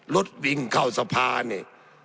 รถวิ่งเข้าสะพานี่